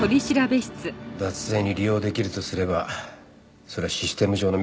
脱税に利用出来るとすればそれはシステム上のミスだ。